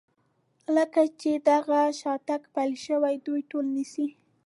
له کله چې دغه شاتګ پیل شوی دوی ټول نیسي.